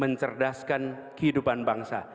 mencerdaskan kehidupan bangsa